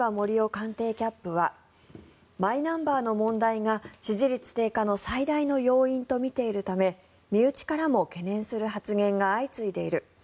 官邸キャップはマイナンバーの問題が支持率低下の最大の要因とみているため身内からも懸念する発言が相次いでいる。